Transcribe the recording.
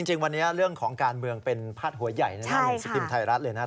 จริงวันนี้เรื่องของการเมืองเป็นพาดหัวใหญ่ในหน้าหนึ่งสิบพิมพ์ไทยรัฐเลยนะครับ